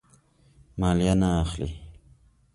مالیه نه اخلي.